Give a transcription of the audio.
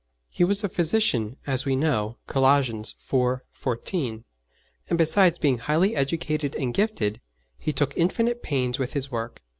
He was a physician, as we know (Colossians iv. 14), and besides being highly educated and gifted, he took infinite pains with his work.